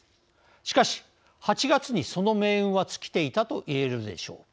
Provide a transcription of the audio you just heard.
しかし、８月に、その命運は尽きていたといえるでしょう。